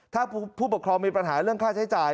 ถ้าผู้ปกครองมีปัญหาเรื่องค่าใช้จ่าย